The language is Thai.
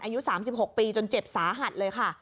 อายุ๓๖ปีจนเจ็บสาหัสเลยค่ะ